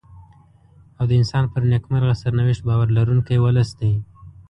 او د انسان پر نېکمرغه سرنوشت باور لرونکی ولس دی.